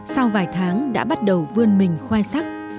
sau vài tháng đã bắt đầu vươn mình khoai sắc